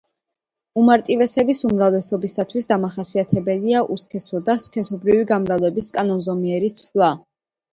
უმარტივესების უმრავლესობისათვის დამახასიათებელია უსქესო და სქესობრივი გამრავლების კანონზომიერი ცვლა.